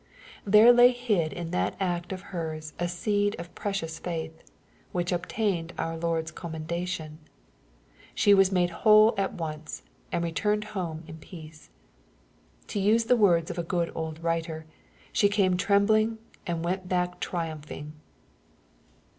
There lay hid in that act of her's a seed of precious faith, which obtained our Lord's commendation. She was made whole at once, and returned home in peace. To use the words of a good old writer, '^ She came trembling, and went back triumphing.